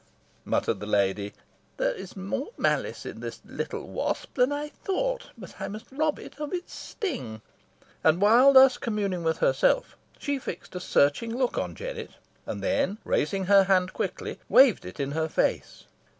muttered the lady. "There is more malice in this little wasp than I thought. But I must rob it of its sting." And while thus communing with herself, she fixed a searching look on Jennet, and then raising her hand quickly, waved it in her face.